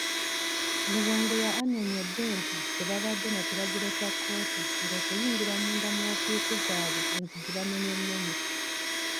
Rubongoya annyonnyodde nti tebabadde nakiragiro kya kkooti ng'okuyingira munda mu woofiisi zaabwe enzigi bamenyemmenye.